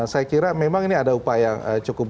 saya kira memang ini ada upaya yang cukup